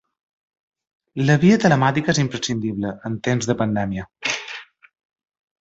La via telemàtica és imprescindible en temps de pandèmia.